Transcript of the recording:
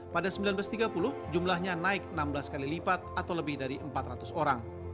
pada seribu sembilan ratus tiga puluh jumlahnya naik enam belas kali lipat atau lebih dari empat ratus orang